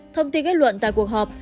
thông tin kết luận tại cuộc họp